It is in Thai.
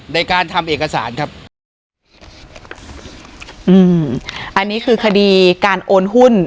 ในการทำเอกสารครับอืมอันนี้คือคดีการโอนหุ้น